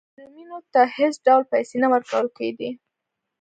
مجرمینو ته هېڅ ډول پیسې نه ورکول کېده.